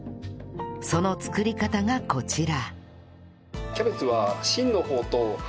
その作り方がこちら